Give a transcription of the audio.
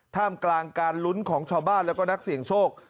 ท่ามกลางการลุ้นของชาวบ้านแล้วก็นักเสี่ยงโชค